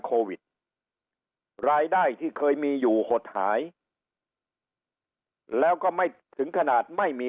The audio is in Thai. โควิดรายได้ที่เคยมีอยู่หดหายแล้วก็ไม่ถึงขนาดไม่มี